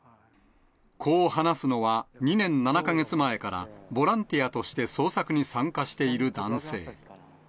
こう話すのは、２年７か月前からボランティアとして捜索に参加している男性。